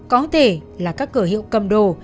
có thể là các cửa hiệu cầm đồ